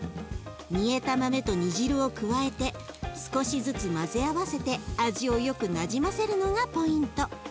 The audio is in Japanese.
煮えた豆と煮汁を加えて少しずつ混ぜ合わせて味をよくなじませるのがポイント。